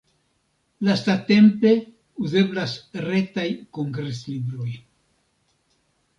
Lastatempe uzeblas retaj kongreslibroj.